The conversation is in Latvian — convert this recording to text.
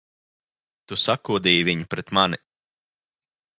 Tu sakūdīji viņu pret mani!